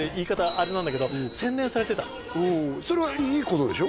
あれなんだけど洗練されてたそれはいいことでしょ？